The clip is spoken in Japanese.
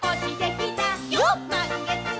「まんげつだ！」